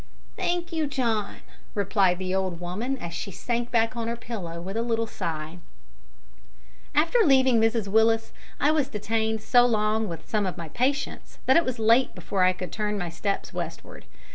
'" "Thank you, John," replied the old woman, as she sank back on her pillow with a little sigh. After leaving Mrs Willis I was detained so long with some of my patients that it was late before I could turn my steps westward.